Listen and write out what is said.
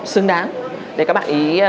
xứng đáng để các bạn ý